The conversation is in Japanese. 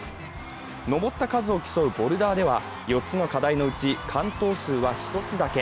登った数を競うボルダーでは４つの課題のうち完登数は１つだけ。